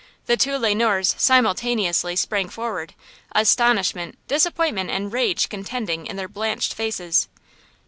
The two Le Noirs simultaneously sprang forward, astonishment, disappointment and rage contending in their blanched faces.